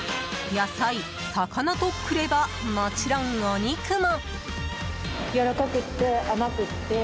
野菜、魚とくればもちろんお肉も。